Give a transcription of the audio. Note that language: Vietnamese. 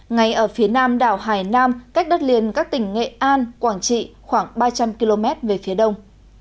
ngay ở phía nam đảo hải nam cách đất liền các tỉnh nghệ an quảng trị khoảng ba trăm linh km về phía đông